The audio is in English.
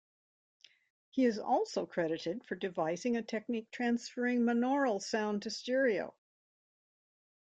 He is also credited for devising a technique transferring monaural sound to stereo.